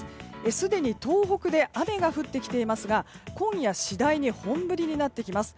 すでに東北で雨が降ってきていますが今夜次第に本降りになってきます。